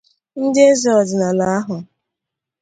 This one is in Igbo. Ndị eze ọdịnala ahụ